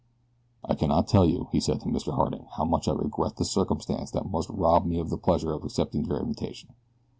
"I cannot tell you," he said to Mr. Harding, "how much I regret the circumstance that must rob me of the pleasure of accepting your invitation.